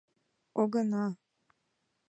Огына!